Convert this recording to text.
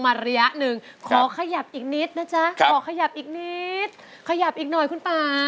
มาระยะ๑ขอก็ขยับอีกนิดนะจ๊ะขอขยับอีกนิดขยับอีกนอยคุณป่า